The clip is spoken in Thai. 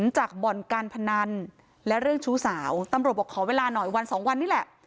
จากบ่อนการพนันและเรื่องชู้สาวตำรวจบอกขอเวลาหน่อยวันสองวันนี้แหละ